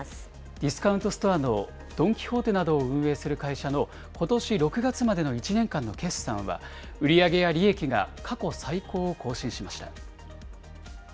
ディスカウントストアのドン・キホーテなどを運営する会社のことし６月までの１年間の決算は、売り上げや利益が過去最高を更新しました。